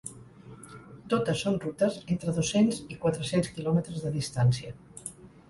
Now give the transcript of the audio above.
Totes són rutes entre dos-cents i quatre-cents quilòmetres de distància.